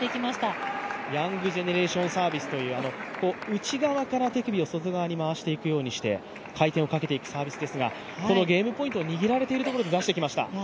ヤングジェネレーションサービスという、内側から手首を外側に回していくようにして回転をかけていくサービスですがゲームポイントを握られているところで出してきました。